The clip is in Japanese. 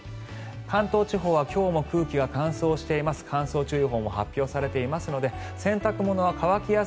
関東地方は今日も空気が乾燥しています。